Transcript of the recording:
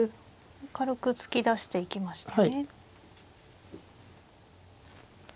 軽く突き出していきましたね。